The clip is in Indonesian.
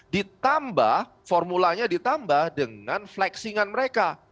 ditambah formulanya ditambah dengan flexing an mereka